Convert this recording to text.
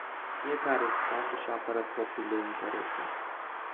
Fiecare stat își apără propriile interese.